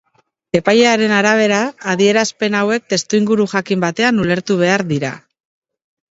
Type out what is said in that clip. Epailearen arabera, adierazpen haiek testuinguru jakin batean ulertu behar dira.